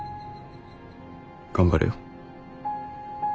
頑張れよ。